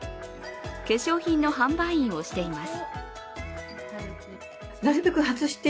化粧品の販売員をしています。